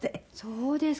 そうですか。